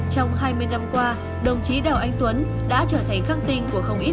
trong hai mươi năm qua đồng chí đào anh tuấn đã trở thành khắc tinh của không ít